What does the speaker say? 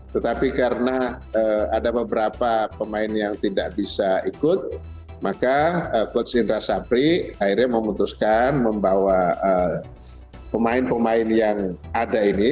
tetapi karena ada beberapa pemain yang tidak bisa ikut maka coach indra sapri akhirnya memutuskan membawa pemain pemain yang ada ini